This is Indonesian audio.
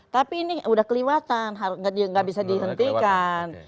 tapi ini sudah keliwatan tidak bisa dihentikan